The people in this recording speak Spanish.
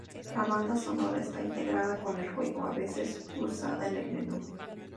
La banda sonora está integrada con el juego, a veces usada en el menú.